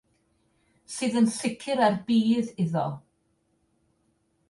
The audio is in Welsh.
Sydd yn sicr er budd iddo”.